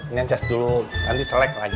ini aceh dulu nanti selek lagi